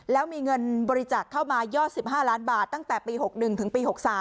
แล้วมีเงินบริจาคเข้ามายอด๑๕ล้านบาทตั้งแต่ปี๖๑ถึงปี๖๓